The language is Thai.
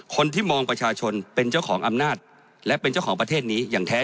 คนที่มองประชาชนเป็นเจ้าของอำนาจและเป็นเจ้าของประเทศนี้อย่างแท้